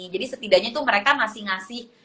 jadi setidaknya tuh mereka masih ngasih